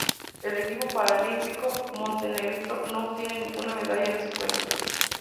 El equipo paralímpico montenegrino no obtuvo ninguna medalla en estos Juegos.